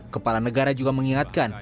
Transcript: kepala negara juga mengingatkan